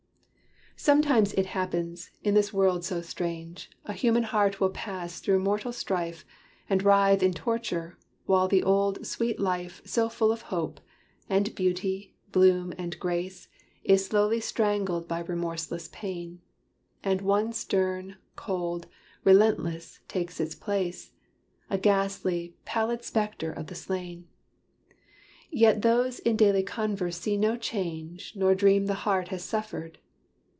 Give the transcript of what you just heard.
Sometimes it happens, in this world so strange, A human heart will pass through mortal strife, And writhe in torture: while the old sweet life So full of hope, and beauty, bloom and grace, Is slowly strangled by remorseless Pain: And one stern, cold, relentless, takes its place A ghastly, pallid specter of the slain. Yet those in daily converse see no change Nor dream the heart has suffered.